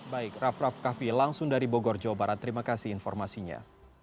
baik raff raff kaffi langsung dari bogor jawa barat terima kasih informasinya